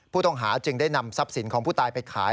ผู้ต้องหาจึงได้นำทรัพย์สินของผู้ตายไปขาย